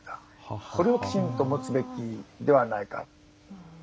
これをきちんと持つべきではないか。